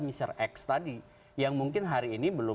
mr x tadi yang mungkin hari ini belum